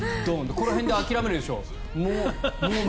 ここら辺で諦めるでしょ。